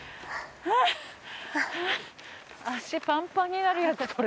足パンパンになるやつこれ。